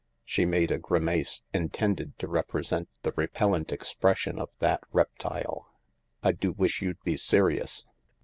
She made a grimace intended to represent the repellent expression of that reptile. " I do wish you'd be serious.